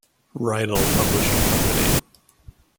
Reidel Publishing Company.